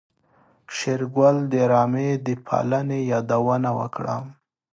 شېرګل د رمې د پالنې يادونه وکړه.